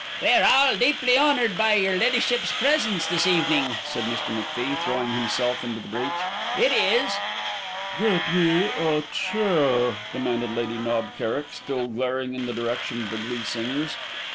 "We are all deeply honoured by your Leddyship's presence this evening," said Mr. MacFie, throwing himself into the breach. "It is " "Get me a chair," demanded Lady Knob Kerrick, still glaring in the direction of the glee singers.